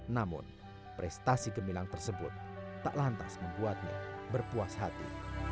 namun prestasi gemilang tersebut tak lantas membuatnya berpuas hati